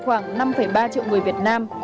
khoảng năm ba triệu người việt nam